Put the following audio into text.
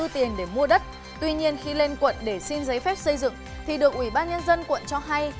tuy nhiên khi lên quận để xin giấy phép xây dựng thì được ủy ban nhân dân quận cho hay